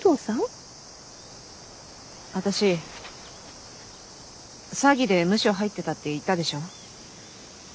私詐欺でムショ入ってたって言ったでしょ。